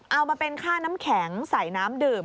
เอามาเป็นค่าน้ำแข็งใส่น้ำดื่ม